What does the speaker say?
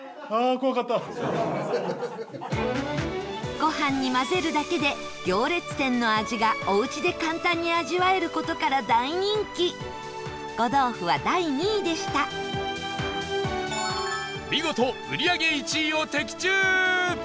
ご飯に混ぜるだけで行列店の味がおうちで簡単に味わえる事から大人気呉豆腐は第２位でした見事、売り上げ１位を的中！